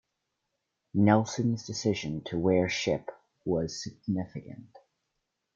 Nelson's decision to wear ship was significant.